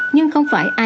nhưng không phải an toàn